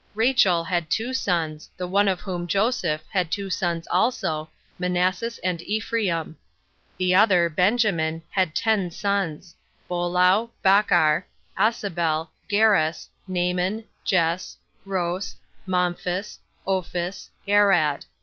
Rachel had two sons, the one of whom, Joseph, had two sons also, Manasses and Ephraim. The other, Benjamin, had ten sonsBolau, Bacchar, Asabel, Geras, Naaman, Jes, Ros, Momphis, Opphis, Arad.